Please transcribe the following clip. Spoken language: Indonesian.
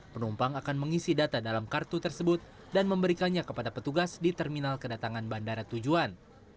penumpang akan mengisi data dalam kartu tersebut dan memberikannya kepada petugas di terminal kedatangan bandara tujuan